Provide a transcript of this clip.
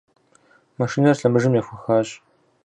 Машинэр лъэмыжым ехуэхащ.